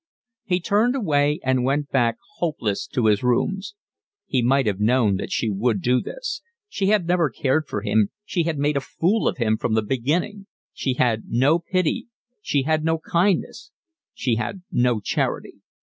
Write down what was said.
He turned away and went back hopeless to his rooms. He might have known that she would do this; she had never cared for him, she had made a fool of him from the beginning; she had no pity, she had no kindness, she had no charity.